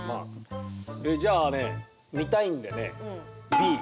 えじゃあね見たいんでねＢ。